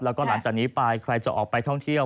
แล้วก็หลังจากนี้ไปใครจะออกไปท่องเที่ยว